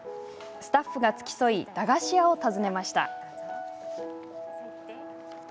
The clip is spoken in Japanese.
スタッフが付き添い駄菓子屋を訪ねました。